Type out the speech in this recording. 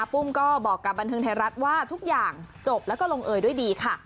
ปุ้มก็บอกกับบันเทิงไทยรัฐว่าทุกอย่างจบแล้วก็ลงเอยด้วยดีค่ะ